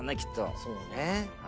そうだね。